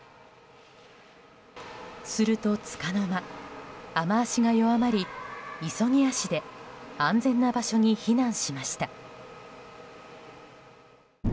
すると、つかの間雨脚が弱まり急ぎ足で安全な場所に避難しました。